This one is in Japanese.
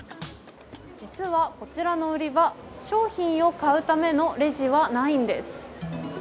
実はこちらの売り場、商品を買うためのレジはないんです。